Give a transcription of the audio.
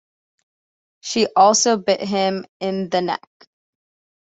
She also bit him in the neck.